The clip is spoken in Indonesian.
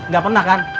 nggak pernah kan